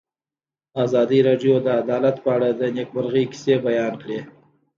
ازادي راډیو د عدالت په اړه د نېکمرغۍ کیسې بیان کړې.